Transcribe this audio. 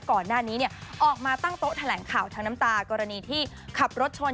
ก่อนหน้านี้ออกมาตั้งโต๊ะแถลงข่าวทั้งน้ำตากรณีที่ขับรถชน